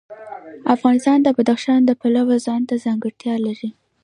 افغانستان د بدخشان د پلوه ځانته ځانګړتیا لري.